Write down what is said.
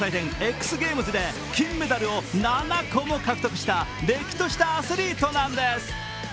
ＸＧＡＭＥＳで金メダルを７個も獲得したれっきとしたアスリートなんです。